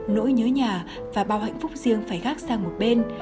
nỗi nhớ nhà và bao hạnh phúc riêng phải gác sang một bên